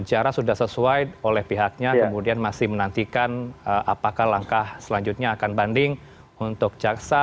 dan sejarah sudah sesuai oleh pihaknya kemudian masih menantikan apakah langkah selanjutnya akan banding untuk jaksa